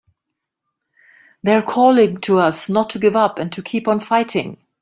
They're calling to us not to give up and to keep on fighting!